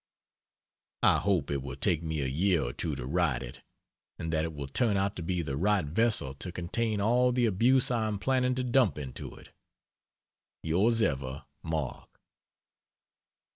I hope it will take me a year or two to write it, and that it will turn out to be the right vessel to contain all the abuse I am planning to dump into it. Yours ever MARK.